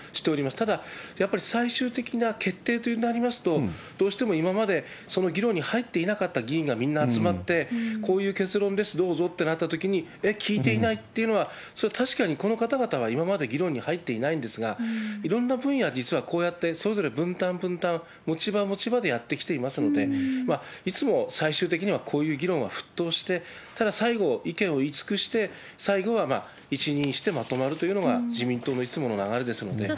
ただ、やっぱり最終的な決定となりますと、どうしても今までその議論に入っていなかった議員がみんな集まって、こういう結論です、どうぞってなったときに、えっ、聞いていないっていうのは、それは確かにこの方々は今まで議論に入っていないんですが、いろんな分野、実はこうやって、それぞれ分担分担、持ち場持ち場でやってきていますので、いつも最終的にはこういう議論は沸騰して、ただ最後、意見を言い尽くして、最後は一任してまとまるというのが、自民党のいつもの流れですので。